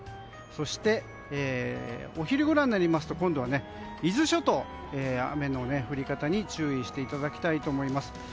そしてお昼ごろになりますと今度は伊豆諸島で雨の降り方に注意していただきたいと思います。